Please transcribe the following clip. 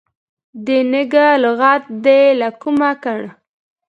د نږه لغت دي له کومه کړ.